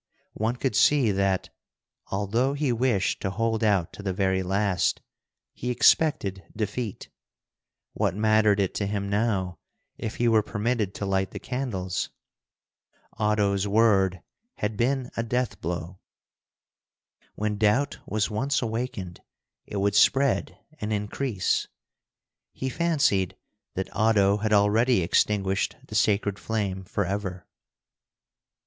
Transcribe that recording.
One could see that, although he wished to hold out to the very last, he expected defeat. What mattered it to him now if he were permitted to light the candles? Oddo's word had been a death blow. When doubt was once awakened, it would spread and increase. He fancied that Oddo had already extinguished the sacred flame forever.